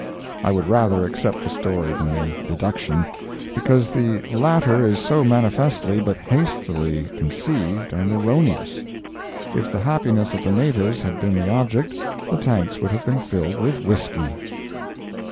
I would rather accept the story than the deduction, because the latter is so manifestly but hastily conceived and erroneous. If the happiness of the natives had been the object, the tanks would have been filled with whisky.